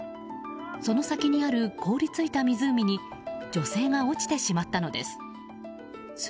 その先にある凍りついた湖に女性が落ちてしまったのです。